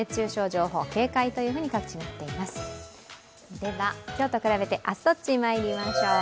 では、今日と比べて明日どっちまいりましょう。